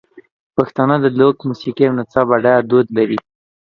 پښتانه د لوک موسیقۍ او نڅا بډایه دود لري.